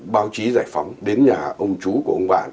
báo chí giải phóng đến nhà ông chú của ông bạn